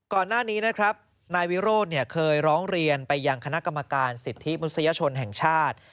ก่อนหน้านี้เนี้ยครับนายวีรด์เนี้ยเคยร้องไปยังฆนะคำกรรมาการสิทธิบุษยชนแห่งชาติ